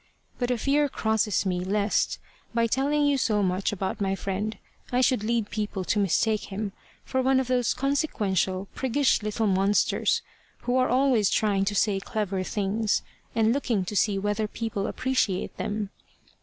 But a fear crosses me, lest, by telling so much about my friend, I should lead people to mistake him for one of those consequential, priggish little monsters, who are always trying to say clever things, and looking to see whether people appreciate them.